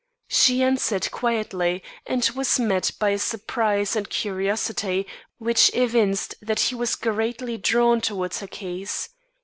She answered quietly, and was met by a surprise and curiosity which evinced that he was greatly drawn towards her case.